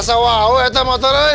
asal wau itu motor ya